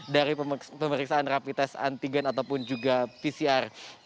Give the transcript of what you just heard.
dari pemeriksaan rapi tes antigen ataupun juga pcr